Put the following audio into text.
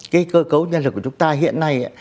cái cơ cấu nhân lực của chúng ta hiện nay